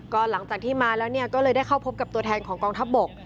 ก็หลังจากที่มาแล้วก็เลยได้เข้าพบกับตัวแทนของกองทัพบก